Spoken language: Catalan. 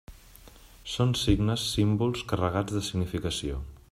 Són signes, símbols carregats de significació.